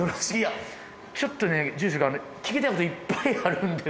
ちょっとね住職聞きたいこといっぱいあるんですよ。